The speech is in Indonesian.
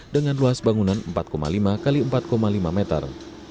dengan luas bangunan empat lima x empat lima meter